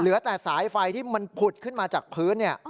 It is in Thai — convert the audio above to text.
เหลือแต่สายไฟที่มันผุดขึ้นมาจากพื้น